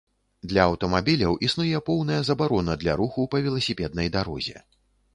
Для аўтамабіляў існуе поўная забарона для руху па веласіпеднай дарозе.